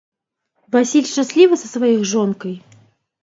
Васіль шчаслівы са сваёй жонкай?